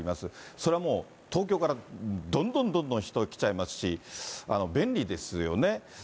それはもう東京からどんどんどんどん人が来ちゃいますし、便利ですよね。